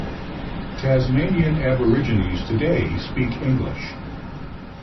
Tasmanian Aborigines today speak English.